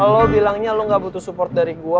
lo bilangnya lo gak butuh support dari gue